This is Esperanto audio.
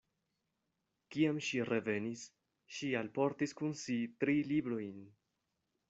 Kiam ŝi revenis, ŝi alportis kun si tri librojn.